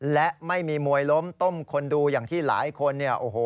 และไม่มีมวยล้มต้มคนดูอย่างที่หลายคน